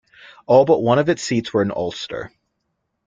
All but one of its seats were in Ulster.